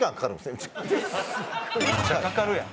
めっちゃかかるやん。